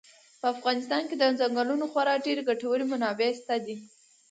په افغانستان کې د ځنګلونو خورا ډېرې ګټورې منابع شته دي.